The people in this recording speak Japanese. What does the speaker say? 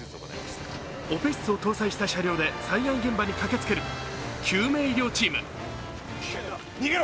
オペ室を搭載した車両で災害現場に駆けつける救命医療チーム。